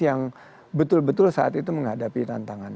yang betul betul saat itu menghadapi tantangan